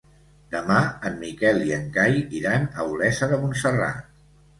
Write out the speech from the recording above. Demà en Miquel i en Cai iran a Olesa de Montserrat.